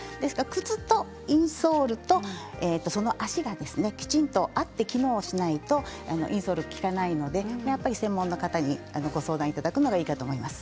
靴とインソールとその足がきちんと合って機能しないとインソール効かないのでやっぱり専門の方にご相談いただくのがいいかと思います。